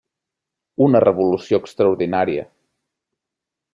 Una revolució extraordinària.